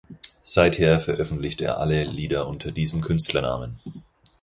Seither veröffentlicht er alle Lieder unter diesem Künstlernamen.